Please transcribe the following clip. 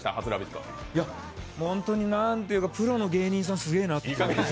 本当に何ていうか、プロの芸人さん、すげぇなって。